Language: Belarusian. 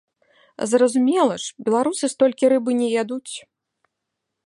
Зразумела ж, беларусы столькі рыбы не ядуць.